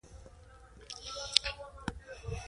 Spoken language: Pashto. د یوسف په سریال کې د جناب انخماخو رول ډېر خوندور دی.